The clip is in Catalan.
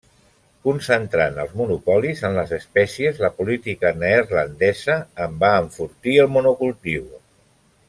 Concentrant els monopolis en les espècies, la política neerlandesa en va enfortir el monocultiu.